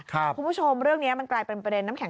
คุณผู้ชมเรื่องนี้มันกลายเป็นประเด็นน้ำแข